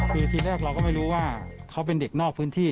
คือทีแรกเราก็ไม่รู้ว่าเขาเป็นเด็กนอกพื้นที่